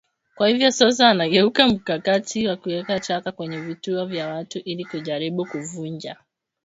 Kwa hivyo sasa anageukia mkakati wa kuweka taka kwenye vituo vya watu ili kujaribu kuvunja